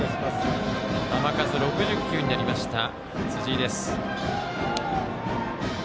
球数が６０球になった辻井です。